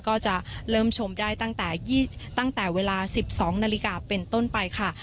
ก็จะเริ่มชมได้ตั้งแต่ตั้งแต่เวลาสิบสองนาฬิกาเป็นต้นไปค่ะ